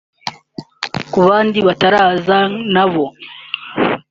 Ku bandi bataraza na bo